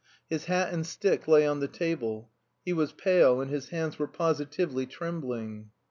His hat and stick lay on the table. He was pale, and his hands were positively trembling.